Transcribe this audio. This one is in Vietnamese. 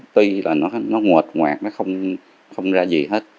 tuy là nó nguệt ngoạt nó không ra gì hết